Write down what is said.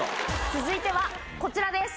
続いてはこちらです。